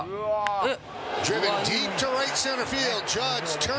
えっ？